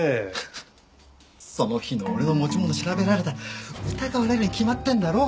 フフッその日の俺の持ち物調べられたら疑われるに決まってんだろ？